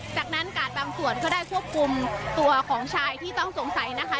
จากนั้นกาดบางส่วนก็ได้ควบคุมตัวของชายที่ต้องสงสัยนะคะ